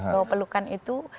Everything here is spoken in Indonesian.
bahwa pelukan itu